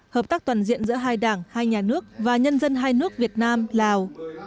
hợp tác toàn diện giữa hai đảng hai nhà nước và nhân dân hai nước việt nam lào